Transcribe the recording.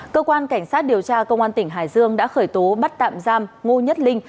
cơ quan cảnh sát điều tra công an tỉnh hải dương đã khởi tố bắt tạm giam ngô nhất linh